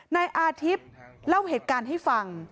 ในอาทิบเล่าเหตุการณ์ให้ฟัง